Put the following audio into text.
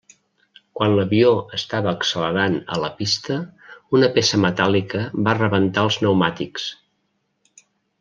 Quan l'avió estava accelerant a la pista, una peça metàl·lica va rebentar els neumàtics.